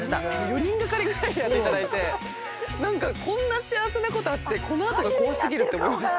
４人がかりぐらいでやっていただいてなんかこんな幸せな事あってこのあとが怖すぎるって思いました。